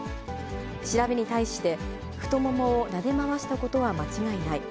調べに対して、太ももをなで回したことは間違いない。